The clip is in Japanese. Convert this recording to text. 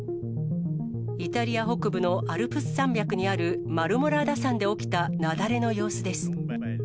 イタリア北部のアルプス山脈にあるマルモラーダ山で起きた雪崩の様子です。